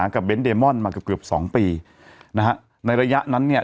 เบ้นเดมอนมาเกือบเกือบสองปีนะฮะในระยะนั้นเนี่ย